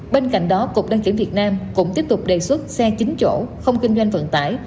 bên cạnh đó cục đăng kiểm việt nam cũng tiếp tục đề xuất xe chín chỗ không kinh doanh vận tải